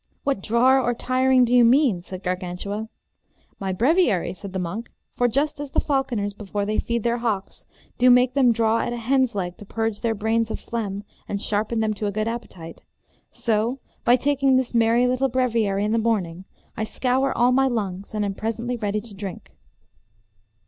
What drawer or tiring do you mean? said Gargantua. My breviary, said the monk, for just as the falconers, before they feed their hawks, do make them draw at a hen's leg to purge their brains of phlegm and sharpen them to a good appetite, so, by taking this merry little breviary in the morning, I scour all my lungs and am presently ready to drink.